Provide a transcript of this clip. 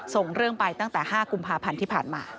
ส่งเรื่องไปตั้งแต่๕กุมภาพันธ์ที่ผ่านมา